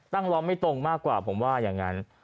ตั้งล้อไม่ตรงมากกว่าผมว่าย่างนั้น